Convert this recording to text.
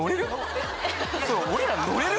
俺ら乗れる？